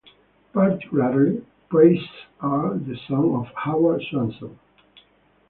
Particularly praised are the songs of Howard Swanson.